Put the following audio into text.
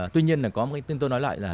tuy nhiên là có một cái tin tôi nói lại là